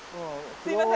すいません